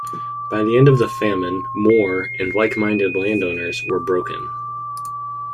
By the end of the famine Moore, and like-minded landowners, were broken.